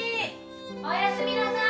おやすみなさい！